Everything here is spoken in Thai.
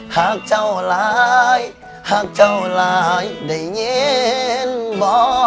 หากเจ้าหลายหากเจ้าหลายได้ยินบ่